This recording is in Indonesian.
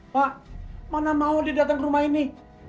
pak mana mau dia datang ke rumah ini